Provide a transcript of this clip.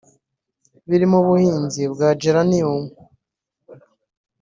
birimo ubuhinzi bwa “geranium”